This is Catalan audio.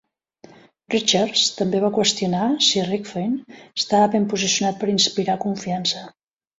Richards també va qüestionar si Rifkind estava ben posicionat per inspirar confiança.